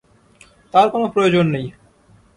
তার কোনো প্রয়োজন নেই।